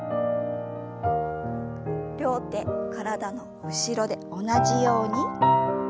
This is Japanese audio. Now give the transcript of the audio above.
両手体の後ろで同じように。